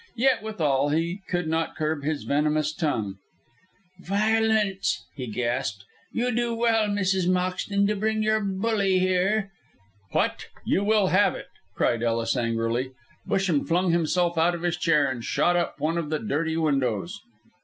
Yet, withal, he could not curb his venomous tongue. "Violence," he gasped. "You do well, Mrs. Moxton, to bring your bully here." "What! You will have it!" cried Ellis, angrily. Busham flung himself out of his chair, and shot up one of the dirty windows.